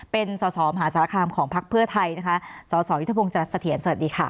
เป็นสอสอมหาสารคามของพักเพื่อไทยนะคะสสยุทธพงศ์จัดเสถียรสวัสดีค่ะ